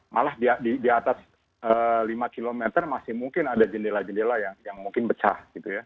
malah di atas lima kilometer masih mungkin ada jendela jendela yang mungkin pecah